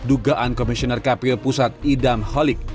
dugaan komisioner kpu pusat idam holik